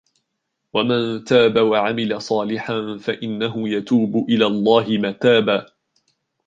ومن تاب وعمل صالحا فإنه يتوب إلى الله متابا